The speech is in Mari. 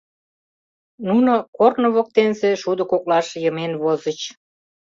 Нуно корно воктенсе шудо коклаш йымен возыч.